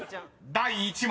［第１問］